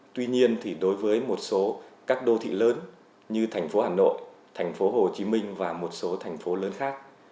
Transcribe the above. tuy nhiên thì đối với một số các đô thị lớn như thành phố hà nội thành phố hồ chí minh và một số thành phố lớn khác